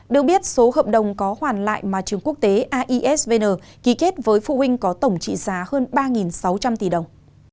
được biết số hợp đồng có hoàn lại mà trường quốc tế aisvn ký kết với phụ huynh có tổng trị giá hơn ba sáu trăm linh tỷ đồng